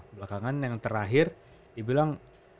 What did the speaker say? belakangan yang terakhir dibilang